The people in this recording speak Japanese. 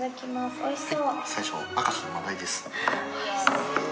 おいしそう！